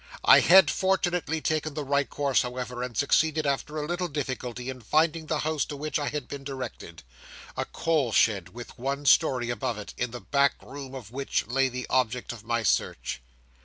I had fortunately taken the right course, however, and succeeded, after a little difficulty, in finding the house to which I had been directed a coal shed, with one storey above it, in the back room of which lay the object of my search.